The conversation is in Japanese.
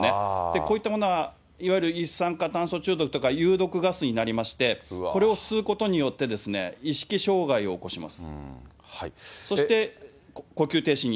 こういったものは、いわゆる一酸化炭素中毒とか有毒ガスになりまして、これを吸うことによって、意識障害を起こします。